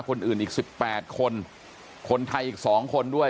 คนอื่นอีกสิบแปดคนคนไทยอีกสองคนด้วย